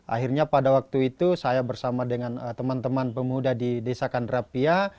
akhirnya pada waktu itu saya bersama dengan teman teman pemuda di desa kandrapia